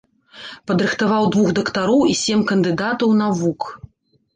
Падрыхтаваў двух дактароў і сем кандыдатаў навук.